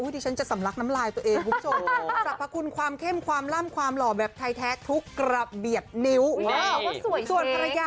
ดิฉันจะสำรับน้ำลายตัวเอง